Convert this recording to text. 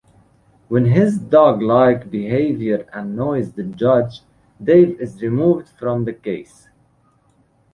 When his dog-like behavior annoys the judge, Dave is removed from the case.